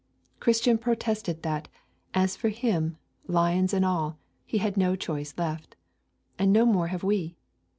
Christian protested that, as for him, lions and all, he had no choice left. And no more have we.